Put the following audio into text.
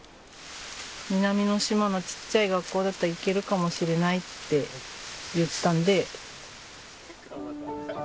南の島のちっちゃい学校だったら行けるかもしれないって言ったので。